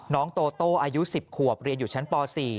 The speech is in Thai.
น้องโตโต้อายุ๑๐ขวบเรียนอยู่ชั้นป๔